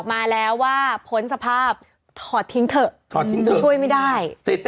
มาแล้วว่าพ้นสภาพถอดทิ้งเถอะช่วยไม่ได้